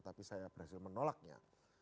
tapi saya berhasil menolaknya